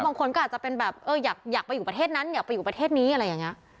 บางคนก็อาจจะเป็นแบบเอออยากไปอยู่ประเทศนั้นอยากไปอยู่ประเทศนี้อะไรอย่างนี้